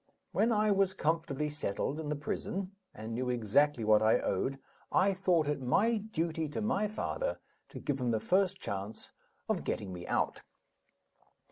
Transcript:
When I was comfortably settled in the prison, and knew exactly what I owed, I thought it my duty to my father to give him the first chance of getting me out.